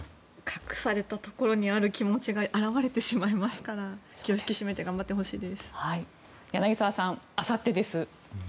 隠されたところにある気持ちが表れてしまいますから気を引き締めて柳澤さん、あさってです。